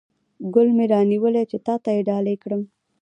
ګل مې را نیولی چې تاته یې ډالۍ کړم